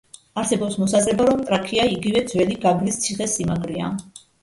არსებობს მოსაზრება, რომ ტრაქეა იგივე ძველი გაგრის ციხესიმაგრეა.